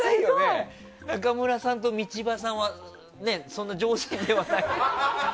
中村さんと道場さんはそんな饒舌ではない。